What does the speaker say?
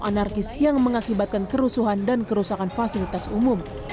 anarkis yang mengakibatkan kerusuhan dan kerusakan fasilitas umum